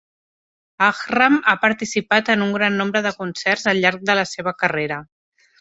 Ajram ha participat en un gran nombre de concerts al llarg de la seva carrera.